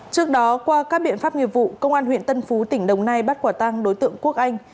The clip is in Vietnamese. trước đó qua các biện pháp nghiệp vụ công an huyện tân phú tỉnh đồng nai bắt quả tăng đối tượng quốc anh